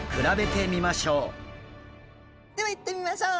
ではいってみましょう。